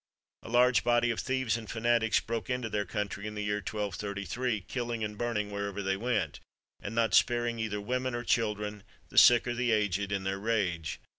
A large body of thieves and fanatics broke into their country in the year 1233, killing and burning wherever they went, and not sparing either women or children, the sick or the aged, in their rage.